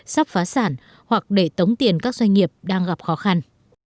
sắp phá sản hoặc để tống tiền các doanh nghiệp đang gặp khó khăn